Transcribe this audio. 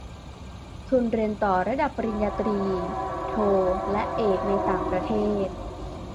ทุนเรียนต่อระดับปริญญาตรี โท และเอก ในต่างประเทศ